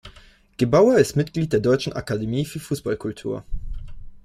Gebauer ist Mitglied der Deutschen Akademie für Fußball-Kultur.